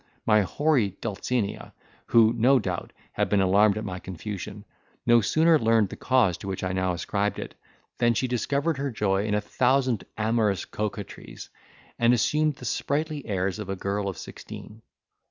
My hoary Dulcinea, who, no doubt, had been alarmed at my confusion, no sooner learned the cause to which I now ascribed it, than she discovered her joy in a thousand amorous coquetries, and assumed the sprightly airs of a girl of sixteen.